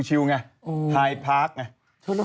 จากธนาคารกรุงเทพฯ